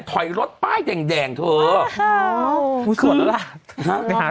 ถอยรถป้ายแดงแดงเถอะ